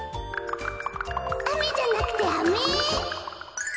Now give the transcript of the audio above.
雨じゃなくて飴。